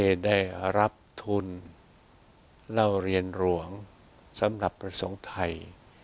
ได้รับทุนเล่าเรียนหลวงสำหรับประสงค์ไทย